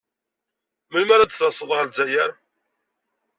Melmi ara d-tased ɣer Lezzayer?